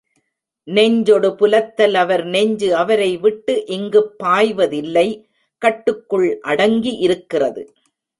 நெஞ்சொடு புலத்தல் அவர் நெஞ்சு அவரைவிட்டு இங்குப் பாய்வ தில்லை கட்டுக்குள் அடங்கி இருக்கிறது.